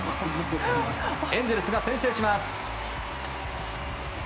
エンゼルスが先制します。